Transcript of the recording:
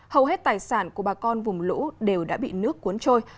hầu hết tài sản của bà con vùng lũ đều đã bị nước cuốn trôi